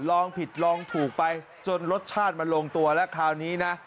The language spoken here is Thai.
ลองผิดลองถูกไปจนรสชาติมันลงตัวแล้วคราวนี้นะ